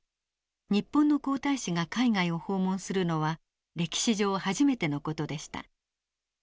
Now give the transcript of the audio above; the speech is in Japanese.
日本の皇太子が海外を訪問するのは歴史上初めての事でした。